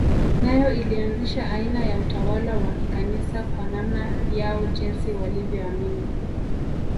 Nayo ilianzisha aina ya utawala wa Kikanisa kwa namna yao jinsi walivyoamini